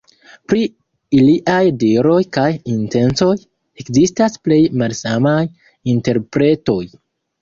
Pri iliaj diroj kaj intencoj ekzistas plej malsamaj interpretoj.